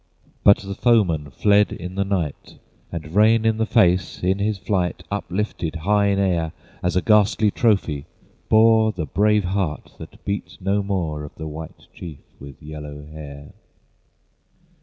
But the foemen fled in the night, And Rain in the Face, in his flight Uplifted high in air As a ghastly trophy, bore The brave heart, that beat no more, Of the White Chief with yellow hair.